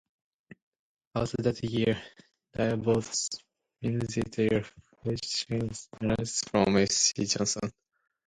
Also that year, Dial bought Renuzit air fresheners from S. C. Johnson.